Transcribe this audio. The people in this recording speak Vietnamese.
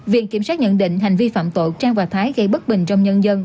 viện kiểm sát nhận định hành vi phạm tội trang và thái gây bất bình trong nhân dân